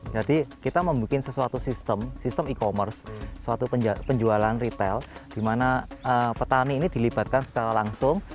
jadi kita membuat sesuatu sistem sistem e commerce suatu penjualan retail di mana petani ini dilibatkan secara langsung